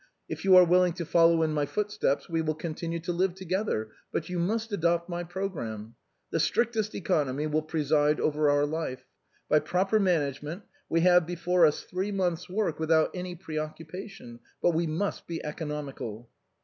If you are willing to follow in my footsteps, we will con tinue to live together : but you must adopt my programme. The strictest economy will preside over our life. By proper management we have before us three months' work without any preoccupation. But we must be economical."